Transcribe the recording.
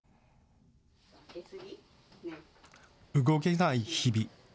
動けない日々。